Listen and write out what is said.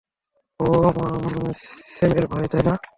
ও স্যামের ভাই, তাই না?